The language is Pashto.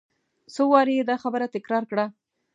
څو وارې یې دا خبره تکرار کړه.